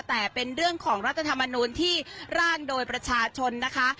แต่เป็นเรื่องของรัฐธรรมนูลที่ร่างโดยประชาชนนะคะ